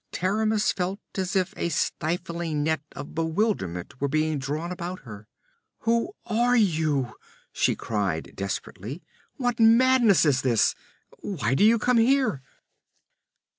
Taramis felt as if a stifling net of bewilderment were being drawn about her. 'Who are you?' she cried desperately. 'What madness is this? Why do you come here?'